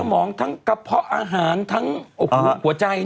มองทั้งกระเพาะอาหารทั้งหัวใจ